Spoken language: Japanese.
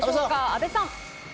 阿部さん。